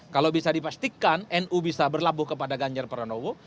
kalau bisa dipastikan nu bisa berlabuh kepada ganjar pranowo